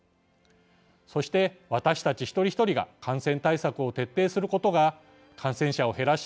そして、私たち一人一人が感染対策を徹底することが感染者を減らし